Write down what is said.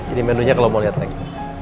ini menunya kalau mau lihat lagi